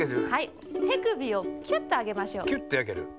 てくびをキュッとあげましょう。